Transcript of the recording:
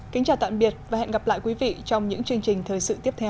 kính chào tạm biệt và hẹn gặp lại quý vị trong những chương trình thời sự tiếp theo